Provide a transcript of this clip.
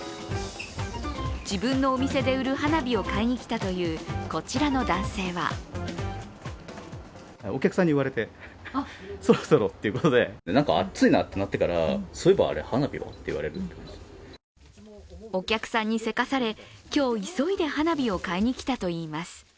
自分のお店で売る花火を買いにきたというこちらの男性はお客さんにせかされ今日、急いで花火を買いに来たといいます